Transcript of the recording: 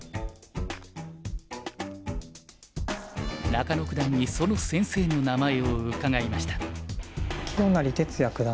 中野九段にその先生の名前を伺いました。